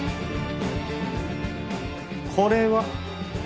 これは。